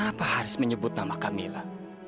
kenapa harus menyebut nama camilla